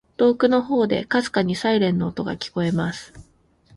•遠くの方で、微かにサイレンの音が聞こえます。